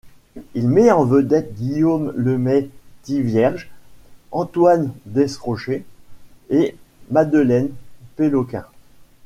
Il met en vedette Guillaume Lemay-Thivierge, Antoine Desrochers et Madeleine Péloquin.